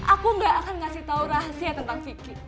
aku gak akan ngasih tau rahasia tentang vicky